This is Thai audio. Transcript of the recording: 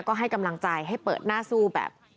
ก็ให้กำลังใจให้เปิดหน้าสู้แบบ